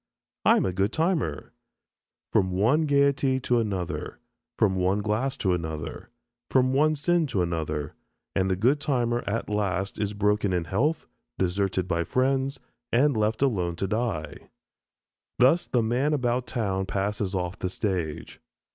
"I am a good timer." From one gayety to another, from one glass to another, from one sin to another, and the good timer at last is broken in health, deserted by friends, and left alone to die. Thus the "man about town" passes off the stage.